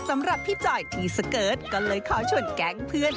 สำหรับพี่จอยทีสเกิร์ตก็เลยขอชวนแก๊งเพื่อน